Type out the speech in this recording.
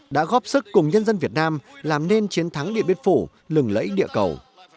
đã góp sức cùng nhân dân việt nam làm nên chiến thắng điện biên phủ lừng lẫy địa cầu